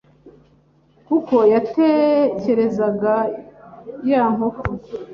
kuko yatekerezaga ya nkoko.